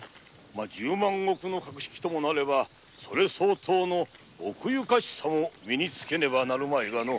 ま十万石の格式ならばそれ相応の奥ゆかしさも身につけねばなるまいがの。